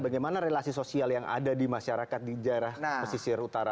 bagaimana relasi sosial yang ada di masyarakat di daerah pesisir utara